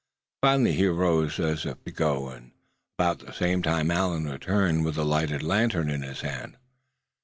Finally he arose as if to go; and about the same time Allan returned, with the lighted lantern in his hand.